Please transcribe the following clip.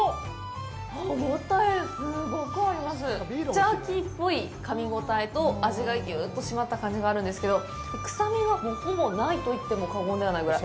ジャーキーっぽいかみ応えと味がぎゅーっとしまった感じがあるんですけど臭みがほぼないと言っても過言ではないぐらい。